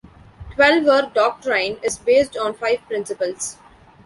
Twelver doctrine is based on five principles.